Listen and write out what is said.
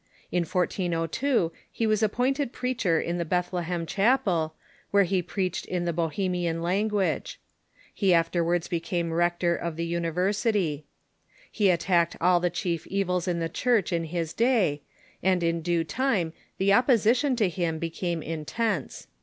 In 1402 he was appointed preacher in the Bethlehem Chapel, where he preached in the Bohe mian lan<xuaG:e. He afterwards became rector of the Uni IX THE SLAVIC LANDS 277 versity. He attacked all the chief evils of the Church in his day, and in due time the opposition to him became intense.